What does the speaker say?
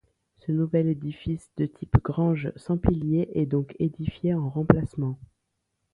Ce nouvel édifice de type grange sans piliers est donc édifié en remplacement.